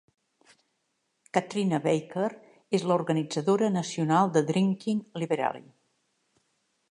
Katrina Baker és la organitzadora nacional de Drinking Liberally.